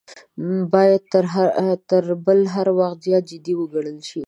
باید تر بل هر وخت زیات جدي وګڼل شي.